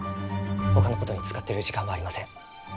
ほかのことに使ってる時間はありません。